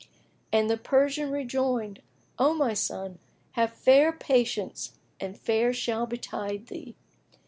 and the Persian rejoined, "O my son, have fair patience and fair shall betide thee."